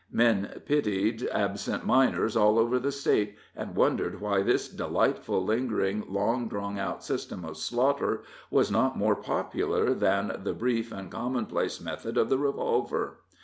Men pitied absent miners all over the State, and wondered why this delightful lingering, long drawn out system of slaughter was not more popular than the brief and commonplace method of the revolver.